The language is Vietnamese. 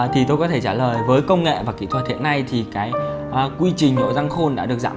thì tôi có thể trả lời với công nghệ và kỹ thuật hiện nay thì cái quy trình độ răng khôn đã được giảm